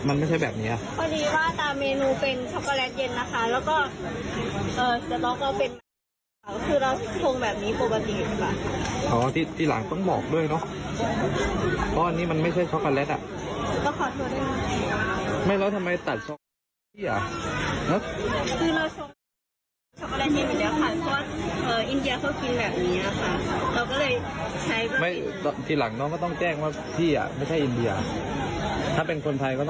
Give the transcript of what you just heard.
มันไม่ใช่แบบนี้อ่ะพอดีว่าตามเมนูเป็นช็อกโกแลตเย็นนะคะ